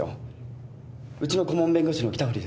ウチの顧問弁護士の北堀です。